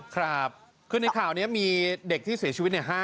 ครับคือในข่าวนี้มีเด็กที่เสียชีวิต